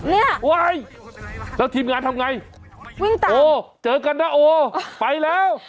นี่โอ๊ยแล้วทีมงานทำไงโอ้ยเจอกันแล้วไปแล้ว